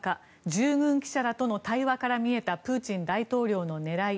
従軍記者らとの対話から見えたプーチン大統領の狙い。